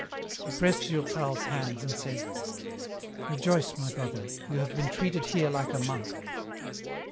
He pressed Dur tal's hands and said, " Rejoice, my brother, you have been treated here like a monk."